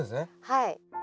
はい。